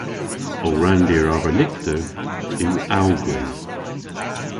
Ow ranndir arbennikter yw awgwrym.